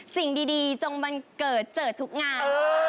สิ่งดีจงบันเกิดเจอทุกงาน